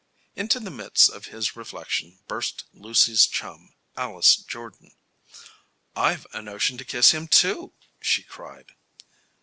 Into the midst of his reflections burst Lucy's chum, Alice Jordan. "I've a notion to kiss him, too!" she cried.